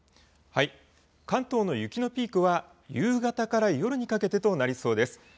関東の雪のピークは夕方から夜にかけてとなりそうです。